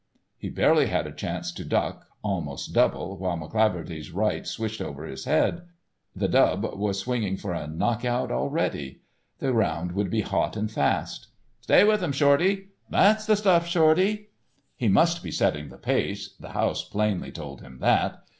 _" He barely had a chance to duck, almost double, while McCleaverty's right swished over his head. The dub was swinging for a knockout already. The round would be hot and fast. "Stay with um, Shorty." "That's the stuff, Shorty." He must be setting the pace, the house plainly told him that.